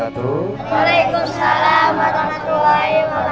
waalaikumsalam warahmatullahi wabarakatuh